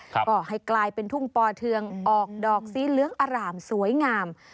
ก็ให้กลายเป็นทุ่งปอเทืองออกดอกสีเหลืองอร่ามสวยงาม